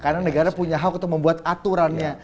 karena negara punya hak untuk membuat aturannya